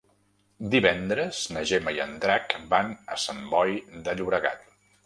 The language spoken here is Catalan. Divendres na Gemma i en Drac van a Sant Boi de Llobregat.